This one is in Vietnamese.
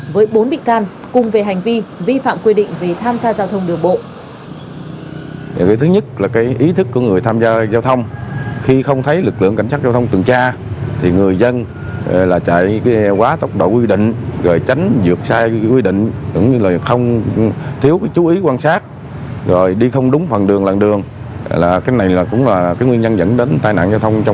với bốn bị can cùng về hành vi vi phạm quy định về tham gia giao thông đường bộ